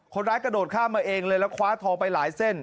กระโดดข้ามมาเองเลยแล้วคว้าทองไปหลายเส้น